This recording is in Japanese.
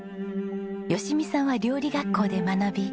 吉美さんは料理学校で学び